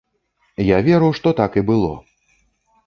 Я веру, што так і было.